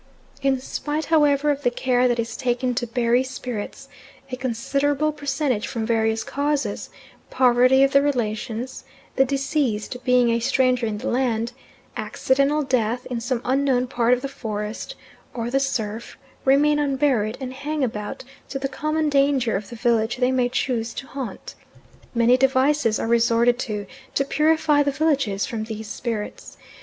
In spite, however, of the care that is taken to bury spirits, a considerable percentage from various causes poverty of the relations, the deceased being a stranger in the land, accidental death in some unknown part of the forest or the surf remain unburied, and hang about to the common danger of the village they may choose to haunt. Many devices are resorted to, to purify the villages from these spirits.